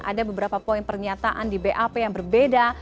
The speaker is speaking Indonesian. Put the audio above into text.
ada beberapa poin pernyataan di bap yang berbeda